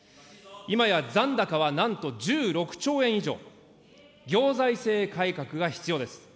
いまや残高はなんと１６兆円以上、行財政改革が必要です。